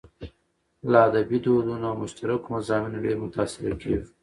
له ادبي دودونو او مشترکو مضامينو ډېر متاثره کېږو.